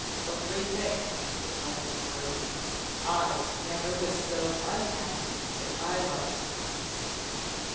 'Only think!' said Glastonbury; 'I never was so unhappy in my life.